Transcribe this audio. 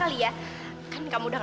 aduh ya ampun